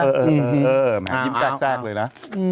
มันยิ้มกลางแซกเลยนะ